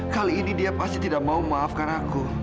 kali ini dia pasti tidak mau maafkan aku